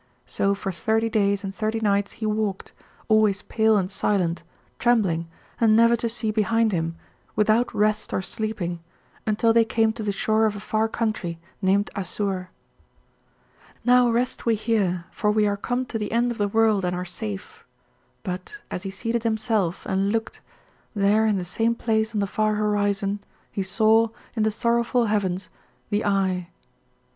So for thirty days and thirty nights he walked, always pale and silent, trembling, and never to see behind him, without rest or sleeping, until they came to the shore of a far country, named Assur. "'Now rest we here, for we are come to the end of the world and are safe,' but, as he seated himself and looked, there in the same place on the far horizon he saw, in the sorrowful heavens, the Eye.